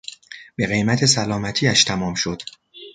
به قیمت سلامتیاش تمام شد